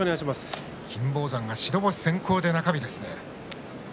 金峰山が白星先行で中日ですが。